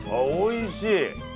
おいしい。